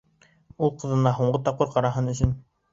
Ул ҡыҙына һуңғы тапҡыр ҡараһын өсөн.